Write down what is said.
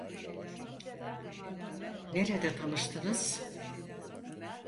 Nerede tanıştınız?